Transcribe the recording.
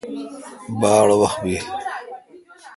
باڑ اؘ وحت بیل۔